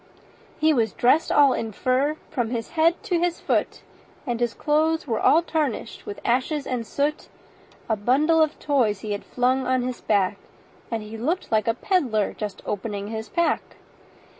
He was dressed all in fur from his head to his foot, And his clothes were all tarnished with ashes and soot; A bundle of toys he had flung on his back, And he looked like a pedler just opening his pack.